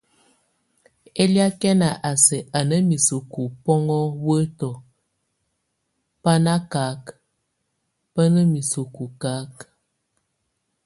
Eliakɛn a sɛk a ná miseku bɔ́ŋɔ weto bá nakak, bá na miseku kak.